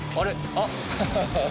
あっ。